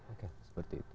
oke seperti itu